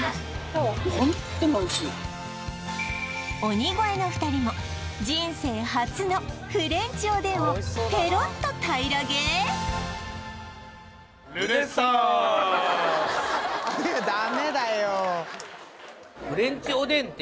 鬼越の２人も人生初のフレンチおでんをペロッと平らげフレンチおでんこの